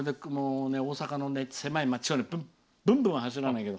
大阪の狭い街をぶんぶんは走らないけど。